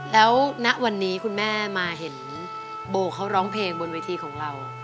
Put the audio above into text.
แล้วณวันนี้คุณแม่มาเห็นโบเขาร้องเพลงบนเวทีของเรา